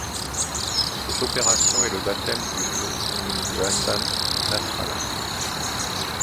Cette opération est le baptême du feu de Hassan Nasrallah.